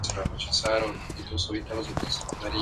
Físicamente es un cuerpo muy parecido a la cercana Pandora.